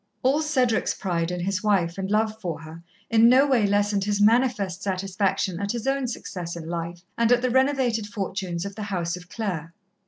All Cedric's pride in' his wife and love for her, in no way lessened his manifest satisfaction at his own success in life and at the renovated fortunes of the house of Clare.